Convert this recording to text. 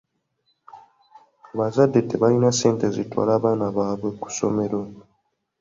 Abazadde tebalina ssente zitwala baana baabwe ku ssomero.